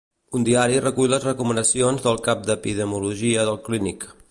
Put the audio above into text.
Un diari recull les recomanacions del cap d'Epidemiologia del Clínic